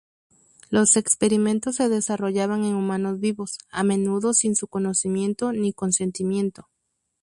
Los experimentos se desarrollaban en humanos vivos, a menudo sin su conocimiento ni consentimiento.